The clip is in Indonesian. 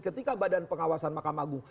ketika badan pengawasan mahkamah agung